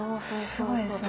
すごいですね。